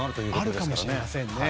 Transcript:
あるかもしれませんね。